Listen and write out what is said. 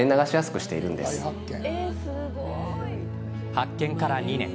発見から２年。